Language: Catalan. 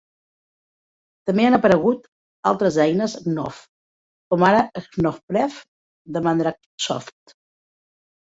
També han aparegut altres eines gconf, com ara Gconfpref de MandrakeSoft.